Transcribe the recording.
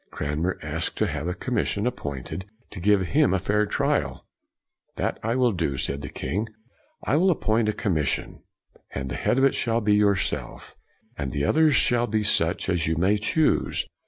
Cranmer asked to have a commission appointed to give him a fair trial. " That will I do," said the king, " I will appoint a commission, and the head of it shall be yourself, and the others shall be such as you may choose!